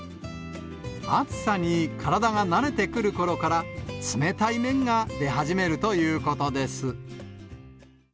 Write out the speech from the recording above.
暑さに体が慣れてくるころから、冷たい麺が出始めるということです。